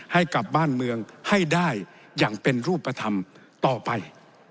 ให้กับบ้านเมืองให้ได้อย่างเป็นรูปธรรมต่อไป